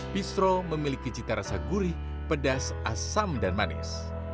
bistro memiliki cita rasa gurih pedas asam dan manis